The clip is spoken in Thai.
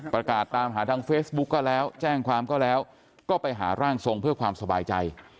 ประกาศตามหาทางเฟซบุ๊กก็แล้วแจ้งความก็แล้วก็ไปหาร่างทรงเพื่อความสบายใจ